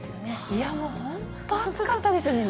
いやもう、本当暑かったですよね。